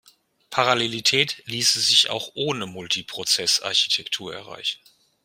Parallelität ließe sich auch ohne Multiprozess-Architektur erreichen.